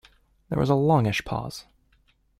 There was a longish pause.